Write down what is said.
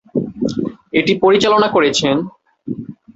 এটি পরিচালনা করেছেন।